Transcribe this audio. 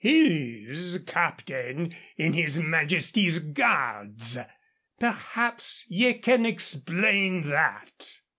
He's captain in his Majesty's Guards. Perhaps ye can explain that."